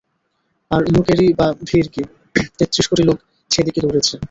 আর লোকেরই বা ভিড় কি, তেত্রিশ কোটি লোক সে দিকে দৌড়েছে।